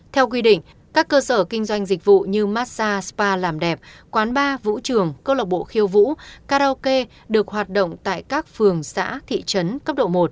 theo quy định các cơ sở kinh doanh dịch vụ như massage spa làm đẹp quán bar vũ trường câu lạc bộ khiêu vũ karaoke được hoạt động tại các phường xã thị trấn cấp độ một